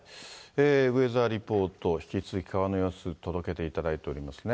ウェザーリポート、引き続き、川の様子、届けていただいておりますね。